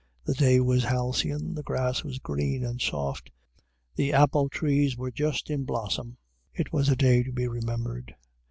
The day was halcyon, the grass was green and soft, the apple trees were just in blossom: it was a day to be remembered.